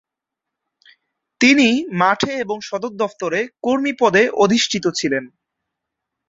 তিনি মাঠে এবং সদর দফতরে কর্মী পদে অধিষ্ঠিত ছিলেন।